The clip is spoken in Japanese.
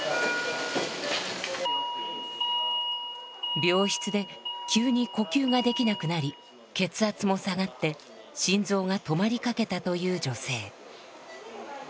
病室で急に呼吸ができなくなり血圧も下がって心臓が止まりかけたという女性。